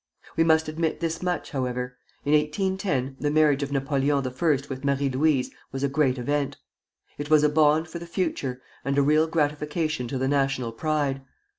We must admit this much, however. In 1810 the marriage of Napoleon I. with Marie Louise was a great event. It was a bond for the future, and a real gratification to the national pride....